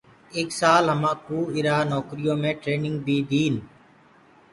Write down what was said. ايڪ سآل همآنٚ ڪوٚ اِرا نوڪريٚ يو مي ٽرينيٚنگ بيٚ ديٚن